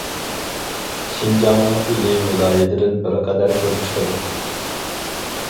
شىنجاڭنىڭ ئىلى ۋىلايىتىدىن بىر قەدەر كۆپ چىقىدۇ.